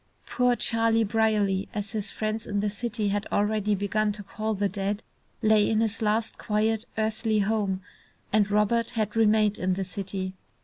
"Poor Charlie Brierly," as his friends in the city had already begun to call the dead, lay in his last, quiet earthly home, and Robert had remained in the city.